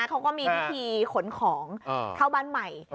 เขาก็มีพิธีขนของเข้าบ้านใหม่